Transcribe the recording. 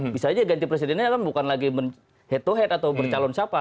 bisa aja ganti presidennya kan bukan lagi head to head atau bercalon siapa